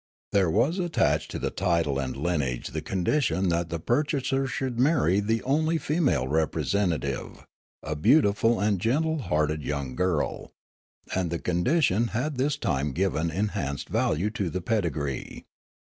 There was attached to the title and lineage Foolo^ar 231 o the condition that the purchaser should marry the only female representative, a beautiful and gentle hearted young girl ; and the condition had this time given enhanced value to the pedigree.